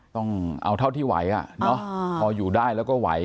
ต้องเอาเท่าที่ไหวพออยู่ได้แล้วก็ไหว